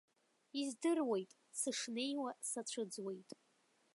Издыруеит, сышнеиуа, сацәыӡуеит.